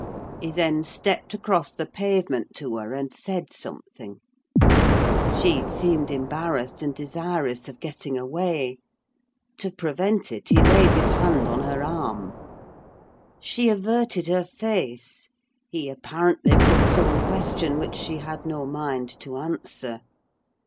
He then stepped across the pavement to her, and said something: she seemed embarrassed, and desirous of getting away; to prevent it, he laid his hand on her arm. She averted her face: he apparently put some question which she had no mind to answer.